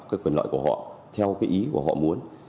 cái quyền lợi của họ theo cái ý của họ muốn